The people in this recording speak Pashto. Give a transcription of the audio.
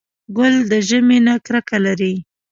ګل د ژمي نه کرکه لري.